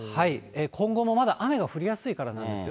今後もまだ雨が降りやすいからなんですよ。